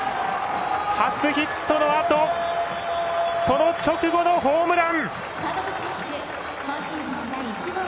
初ヒットのあとその直後のホームラン！